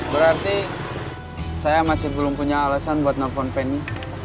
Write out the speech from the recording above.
berarti saya masih belum punya alasan buat nelfon peny